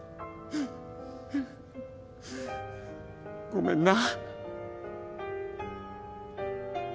ごめんな。